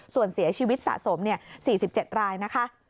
ส่วนเสียชีวิตสะสม๔๗รายนะคะ